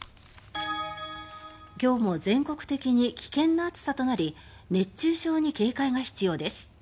今日も全国的に危険な暑さとなり熱中症に警戒が必要です。